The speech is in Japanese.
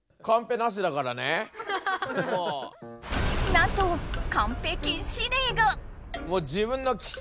なんとカンペ禁止令が！